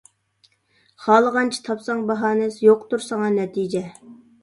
خالىغانچە تاپساڭ باھانە، يوقتۇر ساڭا نەتىجە.